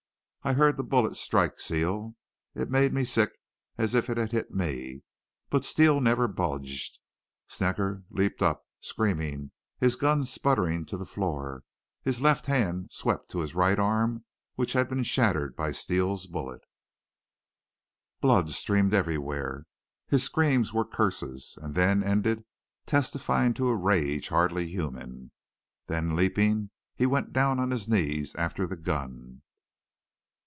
I heard the bullet strike Steele. It made me sick as if it had hit me. But Steele never budged. Snecker leaped up, screaming, his gun sputtering to the floor. His left hand swept to his right arm, which had been shattered by Steele's bullet. "Blood streamed everywhere. His screams were curses, and then ended, testifying to a rage hardly human. Then, leaping, he went down on his knees after the gun.